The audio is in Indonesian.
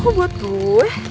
kok buat gue